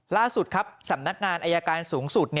ล่าสุดครับสำนักงานอายการสูงสุด